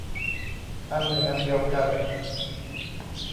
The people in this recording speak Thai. อันหนึ่งอันเดียวกัน